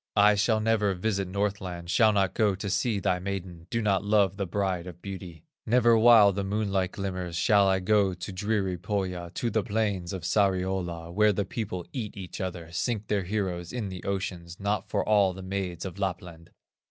I shall never visit Northland, Shall not go to see thy maiden, Do not love the Bride of Beauty; Never while the moonlight glimmers, Shall I go to dreary Pohya, To the plains of Sariola, Where the people eat each other, Sink their heroes in the ocean, Not for all the maids of Lapland."